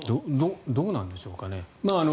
どうなんでしょうかね。